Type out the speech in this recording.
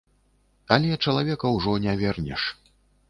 Але чалавека ўжо не вернеш.